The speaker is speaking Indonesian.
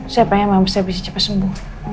saya pengen saya bisa cepat sembuh